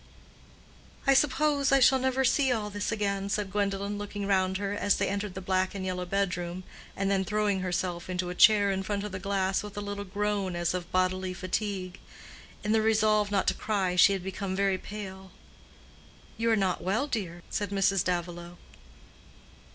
"I suppose I shall never see all this again," said Gwendolen, looking round her, as they entered the black and yellow bedroom, and then throwing herself into a chair in front of the glass with a little groan as of bodily fatigue. In the resolve not to cry she had become very pale. "You are not well, dear?" said Mrs. Davilow.